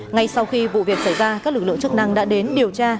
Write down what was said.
ngay sau khi vụ việc xảy ra các lực lượng chức năng đã đến điều tra